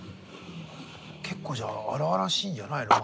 結構じゃあ荒々しいんじゃないの？